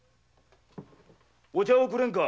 お茶をくれんか。